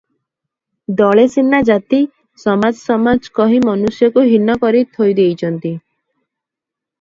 ଦଳେ ସିନା ଜାତି, ସମାଜ ସମାଜ, କହି ମନୁଷ୍ୟକୁ ହୀନ କରି ଥୋଇ ଦେଇଚନ୍ତି